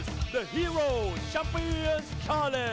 สวัสดีครับทุกคน